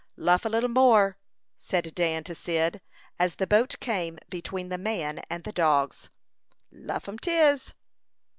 "Luff a little more," said Dan to Cyd, as the boat came between the man and the dogs. "Luff 'em 'tis."